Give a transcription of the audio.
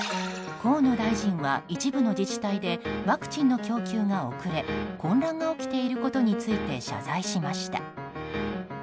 河野大臣は、一部の自治体でワクチンの供給が遅れ混乱が起きていることについて謝罪しました。